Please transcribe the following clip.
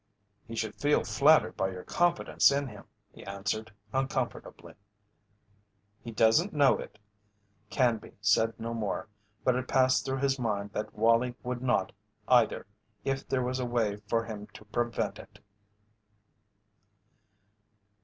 "He should feel flattered by your confidence in him," he answered, uncomfortably. "He doesn't know it." Canby said no more, but it passed through his mind that Wallie would not, either, if there was a way for him to prevent it.